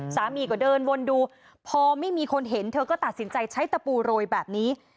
สามีก็เดินวนดูพอไม่มีคนเห็นเธอก็ตัดสินใจใช้ตะปูโรยแบบนี้